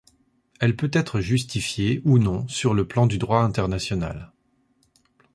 Elle peut être justifiée ou non sur le plan du droit international.